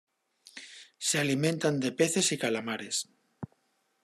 Se alimentan de peces y calamares.